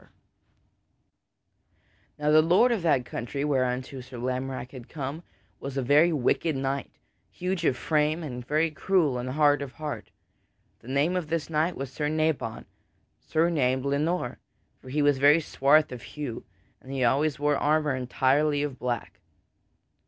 [Sidenote: Of Sir Nabon le Noir] Now the lord of that country whereunto Sir Lamorack had come was a very wicked knight, huge of frame and very cruel and hard of heart. The name of this knight was Sir Nabon, surnamed le Noir; for he was very swarth of hue, and he always wore armor entirely of black.